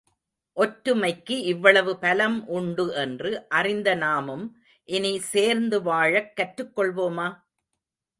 ஒற்றுமைக்கு இவ்வளவு பலம் உண்டு என்று அறிந்த நாமும் இனி சேர்ந்து வாழக் கற்றுக்கொள்வோமா?